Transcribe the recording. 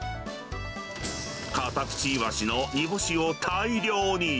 カタクチイワシの煮干しを大量に。